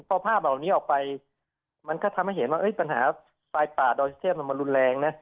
พอภาพเหล่านี้ออกไปมันก็ทำให้เห็นว่าปัญหาไฟป่าดอยสุเทพมันรุนแรงนะ